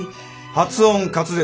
発音滑舌